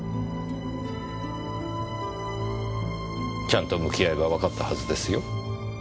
ちゃんと向き合えばわかったはずですよ。